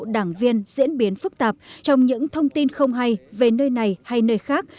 đảng viên diễn biến phức tạp trong những thông tin không hay về nơi này hay nơi khác